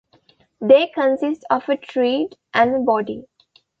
They consist of a tread and a body.